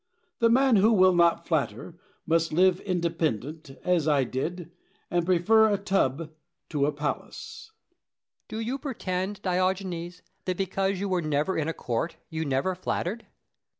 The man who will not flatter must live independent, as I did, and prefer a tub to a palace. Plato. Do you pretend, Diogenes, that because you were never in a court, you never flattered?